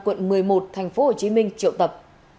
quận một mươi một tp hcm triệu tập